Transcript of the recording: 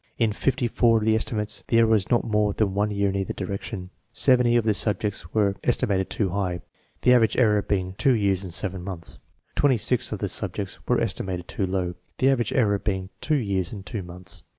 In 54 of the estimates the error was not more than one year in either direction; 70 of the subjects were estimated too high, the average error being 2 years and 7 months; 6 of the subjects were estimated too low, the average error being 2 years and 2 months.